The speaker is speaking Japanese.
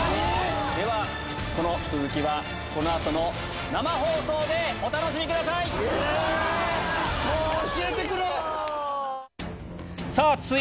では、この続きはこのあとの生放送でお楽しみください。